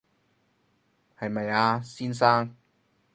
係咪啊，先生